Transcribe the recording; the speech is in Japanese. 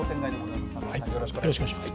よろしくお願いします。